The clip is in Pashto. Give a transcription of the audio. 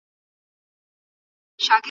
کله چې پښتورګي خراب شي، پاړسوب رامنځته کېږي.